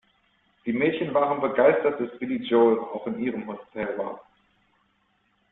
Die Mädchen waren begeistert, dass Billy Joel auch in ihrem Hotel war.